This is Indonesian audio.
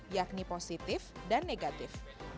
yakni positif dan negatif